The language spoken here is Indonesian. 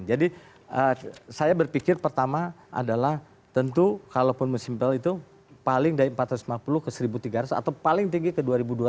jadi saya berpikir pertama adalah tentu kalaupun musimpel itu paling dari empat ratus lima puluh ke seribu tiga ratus atau paling tinggi ke dua ribu dua ratus